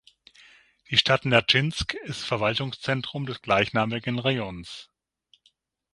Die Stadt Nertschinsk ist Verwaltungszentrum des gleichnamigen Rajons.